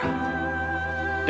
dan hampir saja